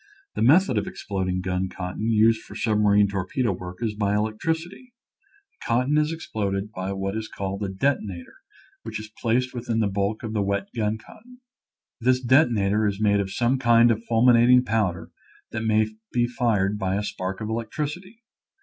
The method of exploding gun cotton used for submarine torpedo work is by electricity. The cotton is exploded by what is called a detona tor, which is placed within the bulk of the wet gun cotton. This detonator is made of some kind of fulminating powder that may be fired by a spark of electricity.